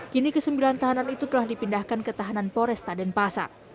kini ke sembilan tahanan itu telah dipindahkan ke tahanan foresta dan pasar